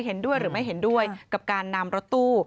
เห็นด้วยหรือไม่เห็นด้วยกับการนำรถตู้